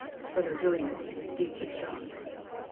Brother William was deeply shocked.